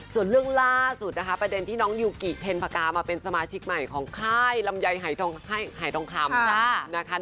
ส่วนเรื่องล่าสุดนะคะประเด็นที่น้องยูกิเทนพกามาเป็นสมาชิกใหม่ของค่ายลำไยหายทองคำนะคะ